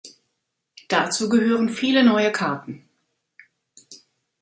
Dazu gehören viele neue Karten.